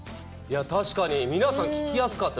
皆さん、聞きやすかった。